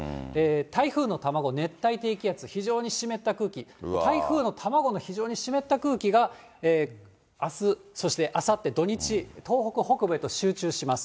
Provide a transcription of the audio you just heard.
台風の卵、熱帯低気圧、非常に湿った空気、台風の卵の非常に湿った空気があす、そしてあさって、土日、東北北部へと集中します。